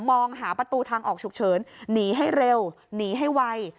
มองหาประตูทางออกฉุกเฉินหนีให้เร็วหนีให้ไว